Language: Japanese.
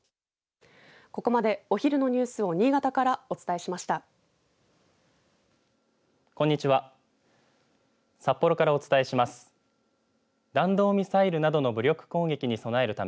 ここまで、お昼のニュースを新潟からお伝えしました。